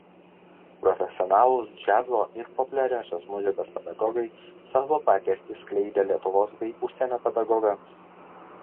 Profesionalūs džiazo ir populiariosios muzikos pedagogai savo patirtį skleidė Lietuvos bei užsienio pedagogams.